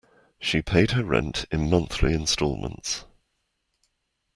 She paid her rent in monthly instalments